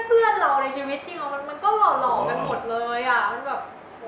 เพื่อนเราในชีวิตจริงครบ